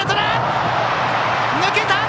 抜けた！